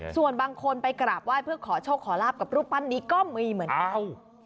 ส่วนบางคนไปกราบไหว้เพื่อขอโชคขอลาบกับรูปปั้นนี้ก็มีเหมือนกัน